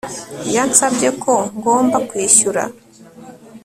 Yansabye ko ngomba kwishyura